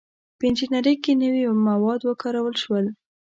• په انجینرۍ کې نوي مواد وکارول شول.